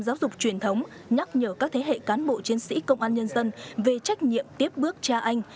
giáo dục truyền thống nhắc nhở các thế hệ cán bộ chiến sĩ công an nhân dân về trách nhiệm tiếp bước cha anh